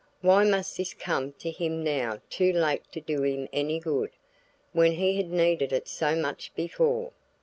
Why must this come to him now too late to do him any good, when he had needed it so much before?